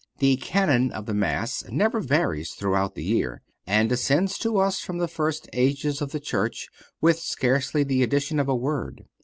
The Canon of the Mass never varies throughout the year, and descends to us from the first ages of the Church with scarcely the addition of a word.